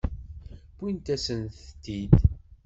Wwint-asent-tent-id.